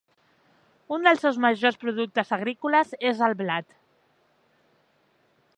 Un dels seus majors productes agrícoles és el blat.